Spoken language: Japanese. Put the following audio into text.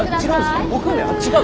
僕ね違う！